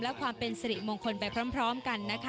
และความเป็นสิริมงคลไปพร้อมกันนะคะ